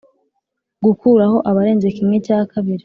gukuraho abarenze kimwe cya kabiri